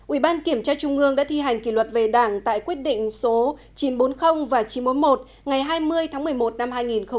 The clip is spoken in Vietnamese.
ubkc đã thi hành kỷ luật về đảng tại quyết định số chín trăm bốn mươi và chín trăm một mươi một ngày hai mươi tháng một mươi một năm hai nghìn một mươi tám